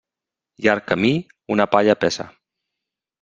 Llarg camí, una palla pesa.